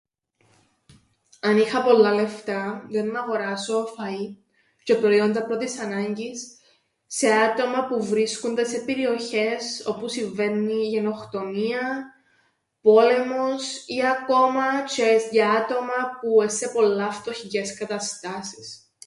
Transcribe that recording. Αν είχα πολλά λεφτά, ήταν να αγοράσω φα͘ΐν τζ̌αι προϊόντα πρώτης ανάγκης σε άτομα που βρίσκουνται σε περιοχές όπου συμβαίννει γενοκτονία, πόλεμος, ή ακόμα τζ̌αι για άτομα που εν' σε πολλά φτωχικές καταστάσεις.